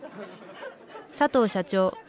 佐藤社長